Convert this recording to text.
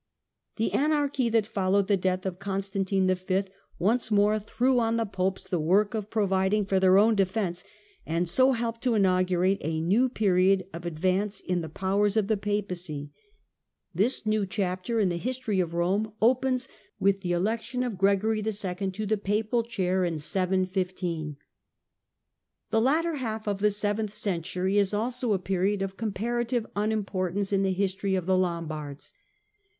The anarchy that followed the death of Constantine V. once more threw on the Popes the work of provid ng for their own defence, and so helped to inaugur ate a new period of advance in the powers of the Papacy. This new chapter in the history of Rome )pens with the election of Gregory II. to the Papal chair n 715. The latter half of the seventh century is also a period The )f comparative unimportance in the history of thekj n gjoL Liombards.